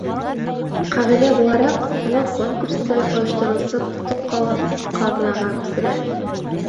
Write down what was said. Ҡағиҙә булараҡ, уны конкурсты ойоштороусы тотоп ҡалып, ҡаҙнаға күсерә.